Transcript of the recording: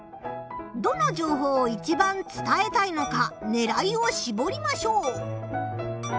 どの情報をいちばん伝えたいのかねらいをしぼりましょう。